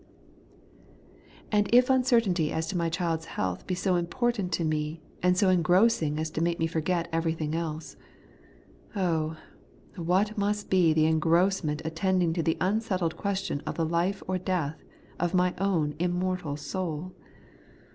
The Pardon and the Peace made sure, 165 And if uncertainty as to my child's health be so important to me, and so engrossing as to make me forget everything else; oh, what must be the en grossment attending the unsettled question of the life or death of my own immortal soul!